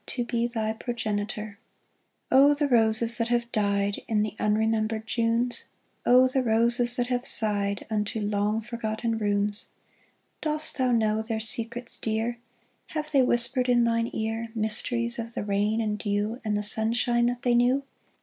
To be thy progenitor I " Oh, the roses that have died In the unremembered Junes ! Oh, the roses that have sighed Unto long forgotten runes ! Dost thou know their secrets dear ? QUESTIONING A ROSE 305 Have they whispered in thine ear Mysteries of the rain and dew, And the sunshine that they knew